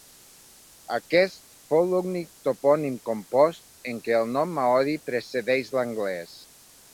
Aquest fou l'únic topònim compost en què el nom maori precedeix l'anglès.